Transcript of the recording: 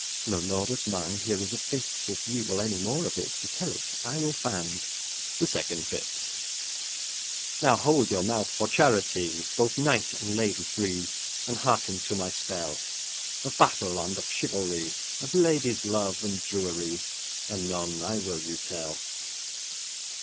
Lo, Lordes mine, here is a fytt; If ye will any more of it, To tell it will I fand.* *try The Second Fit Now hold your mouth for charity, Bothe knight and lady free, And hearken to my spell;* *tale <25> Of battle and of chivalry, Of ladies' love and druerie,* *gallantry Anon I will you tell.